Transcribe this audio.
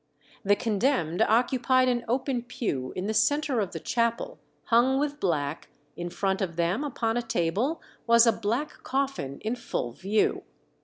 The condemned occupied an open pew in the centre of the chapel, hung with black; in front of them, upon a table, was a black coffin in full view.